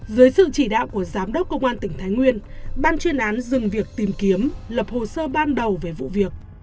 dưới sự chỉ đạo của giám đốc công an tỉnh thái nguyên ban chuyên án dừng việc tìm kiếm lập hồ sơ ban đầu về vụ việc